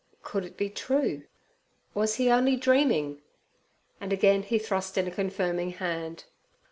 Could it be true? Was he only dreaming? And again he thrust in a confirming hand.